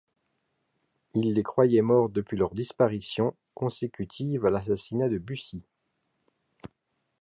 Il les croyait morts depuis leur disparition, consécutive à l'assassinat de Bussy.